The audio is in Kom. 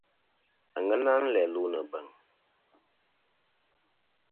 Àŋena nɨ̀n læ lu nɨ̀ bèŋ.